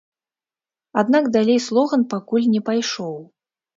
Аднак далей слоган пакуль не пайшоў.